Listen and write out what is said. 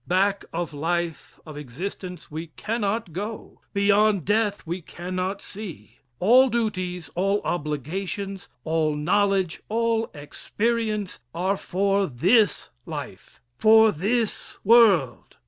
Back of life, of existence, we cannot go beyond death we cannot see. All duties, all obligations, all knowledge, all experience, are for this life, for this world.